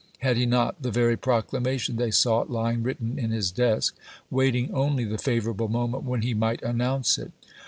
Had he not the very proclamation they sought lying written in his desk, waiting only the favorable moment when he might announce it